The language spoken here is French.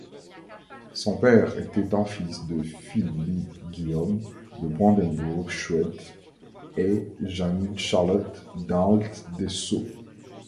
Son père était un fils de Philippe-Guillaume de Brandebourg-Schwedt et Jeanne-Charlotte d'Anhalt-Dessau.